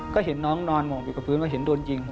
ก็เห็นน้องนอนหมอบอยู่กับพื้นว่าเห็นโดนยิง